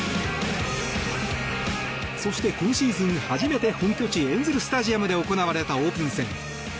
そして、今シーズン初めて本拠地、エンゼル・スタジアムで行われたオープン戦。